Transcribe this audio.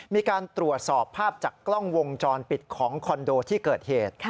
มีการตรวจสอบภาพจากกล้องวงจรปิดของคอนโดที่เกิดเหตุ